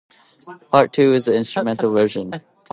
Part two is the instrumental version.